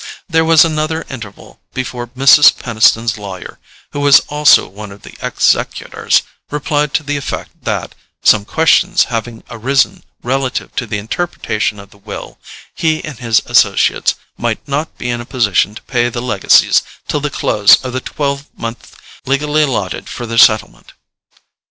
There was another interval before Mrs. Peniston's lawyer, who was also one of the executors, replied to the effect that, some questions having arisen relative to the interpretation of the will, he and his associates might not be in a position to pay the legacies till the close of the twelvemonth legally allotted for their settlement.